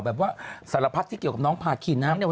แบบว่าสารพัดที่เกี่ยวกับน้องพาคินนะครับ